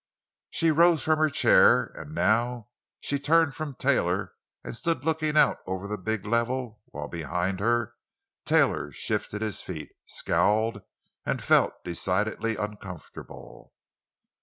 She rose from her chair, and now she turned from Taylor and stood looking out over the big level, while behind her Taylor shifted his feet, scowled and felt decidedly uncomfortable.